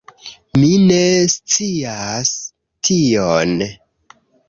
Mi ne scias tion